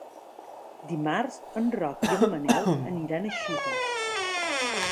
Dimarts en Roc i en Manel aniran a Xiva.